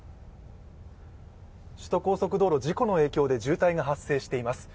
首都高速道路、事故の影響で渋滞が発生しています。